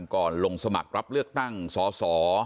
ลงสมัครรับเลือกตั้งสส